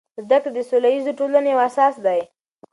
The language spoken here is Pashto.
زده کړه د سوله ییزو ټولنو یو اساس دی.